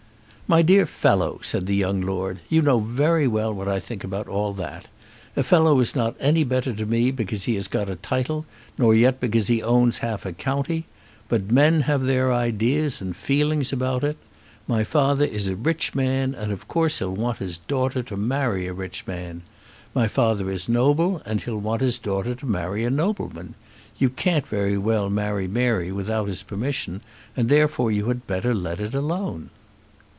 "My dear fellow," said the young lord, "you know very well what I think about all that. A fellow is not any better to me because he has got a title, nor yet because he owns half a county. But men have their ideas and feelings about it. My father is a rich man, and of course he'll want his daughter to marry a rich man. My father is noble, and he'll want his daughter to marry a nobleman. You can't very well marry Mary without his permission, and therefore you had better let it alone."